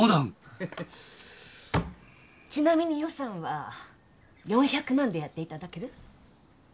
ちなみに予算は４００万でやっていただける？